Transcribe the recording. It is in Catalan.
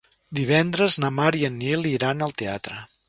Divendres na Mar i en Nil iran al teatre.